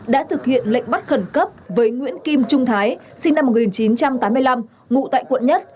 đã thực hiện lệnh bắt khẩn cấp với nguyễn kim trung thái sinh năm một nghìn chín trăm tám mươi năm ngụ tại quận một